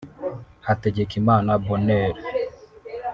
Hategekimana Bonheur